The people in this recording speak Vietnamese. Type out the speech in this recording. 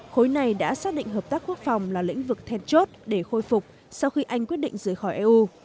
khối này đã xác định hợp tác quốc phòng là lĩnh vực then chốt để khôi phục sau khi anh quyết định rời khỏi eu